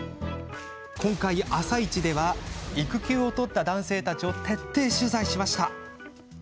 今回、「あさイチ」では育休を取った男性たちを徹底取材しました。